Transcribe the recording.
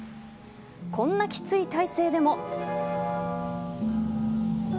こんなきつい体勢でも。